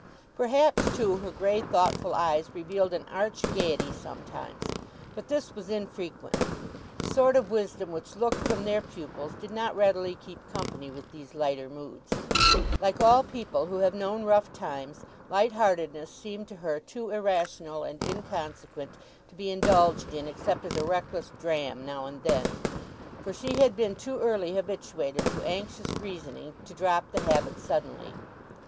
Perhaps, too, her grey, thoughtful eyes revealed an arch gaiety sometimes; but this was infrequent; the sort of wisdom which looked from their pupils did not readily keep company with these lighter moods. Like all people who have known rough times, light heartedness seemed to her too irrational and inconsequent to be indulged in except as a reckless dram now and then; for she had been too early habituated to anxious reasoning to drop the habit suddenly.